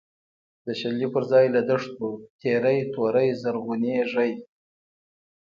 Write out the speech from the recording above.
د شنلی پر ځای له دښتو، تیری توری زرغونیږی